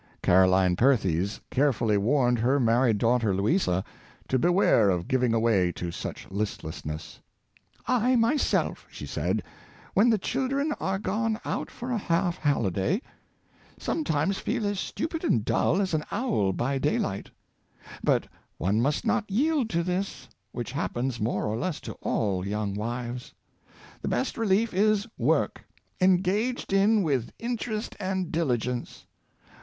Caroline Perthes carefully warned her married daughter Louisa to beware of giving way to such listlessnesss. " I, myself," she said, " when the children are gone out for a half holiday, sometimes feel as stupid and dull as an owl by day light; but one must not yield to this, which happens 154 Work and Happiness, more or less to all young wives. The best relief is ivork^ engaged in with interest and diligence.